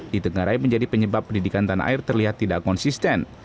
ditenggarai menjadi penyebab pendidikan tanah air terlihat tidak konsisten